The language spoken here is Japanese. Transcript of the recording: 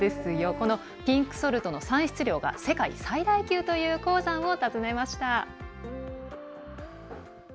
このピンクソルトの産出量が世界最大級という鉱山を訪ねました。